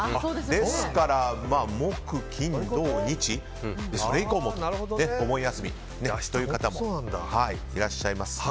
ですから、木金土日それ以降もお盆休みという方もいらっしゃいます。